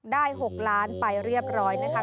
ได้หกล้านไปเรียบร้อยนะคะ